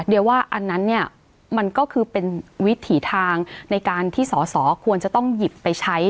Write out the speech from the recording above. เดี๋ยวว่าอันนั้นเนี่ยมันก็คือเป็นวิถีทางในการที่สอสอควรจะต้องหยิบไปใช้